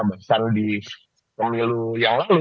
bahkan di kemilu yang lalu